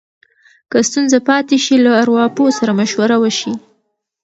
که ستونزه پاتې شي، له ارواپوه سره مشوره وشي.